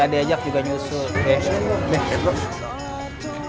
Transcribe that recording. kayaknya gue ajak juga nyusul